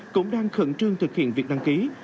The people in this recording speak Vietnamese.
cũng đang khẩn trương thực hiện việc đăng ký